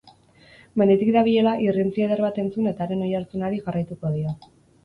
Menditik dabilela, irrintzi eder bat entzun eta haren oihartzunari jarraituko dio.